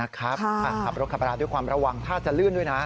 ขับรถขับราด้วยความระวังถ้าจะลื่นด้วยนะ